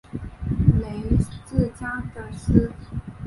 县治加的斯。